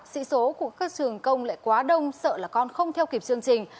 sĩ số của các trường công lại quá đông sợ là con không theo kịp chương trình